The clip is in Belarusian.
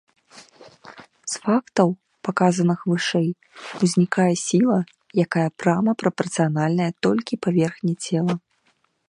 З фактаў, паказаных вышэй, узнікае сіла, якая прама прапарцыянальная толькі паверхні цела.